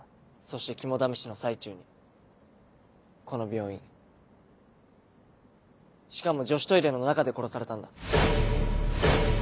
そして肝試しの最中にこの病院しかも女子トイレの中で殺されたんだ。